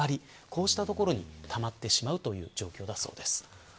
こうしたところにたまってしまうという状況だそうです。